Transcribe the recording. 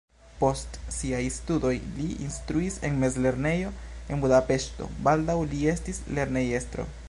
Post siaj studoj li instruis en mezlernejo en Budapeŝto, baldaŭ li estis lernejestro.